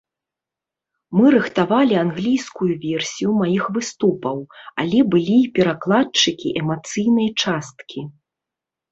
Мы рыхтавалі англійскую версію маіх выступаў, але былі і перакладчыкі эмацыйнай часткі.